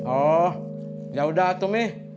oh yaudah tuh mi